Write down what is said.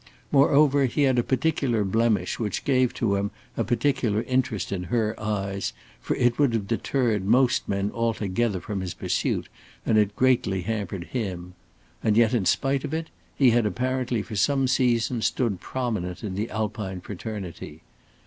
Moreover he had a particular blemish which gave to him a particular interest in her eyes, for it would have deterred most men altogether from his pursuit and it greatly hampered him. And yet in spite of it, he had apparently for some seasons stood prominent in the Alpine fraternity.